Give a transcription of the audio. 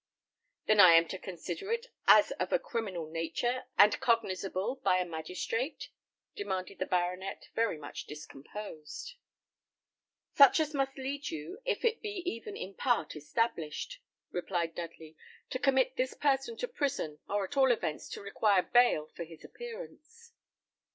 "Then am I to consider it as of a criminal nature, and cognizable by a magistrate?" demanded the baronet, very much discomposed. "Such as must lead you, if it be even in part established," replied Dudley, "to commit this person to prison, or at all events, to require bail for his appearance."